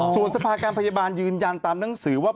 ส่วนสภาการพยาบาลยืนยันตามหนังสือว่า